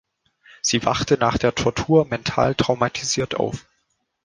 Sie wachte nach der Tortur mental traumatisiert auf.